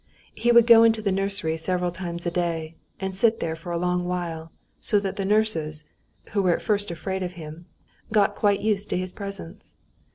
He would go into the nursery several times a day, and sit there for a long while, so that the nurses, who were at first afraid of him, got quite used to his presence.